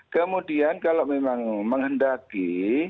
kemudian kalau memang menghendaki